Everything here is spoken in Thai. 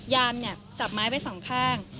ยามจับไม้ไป๒ข้าง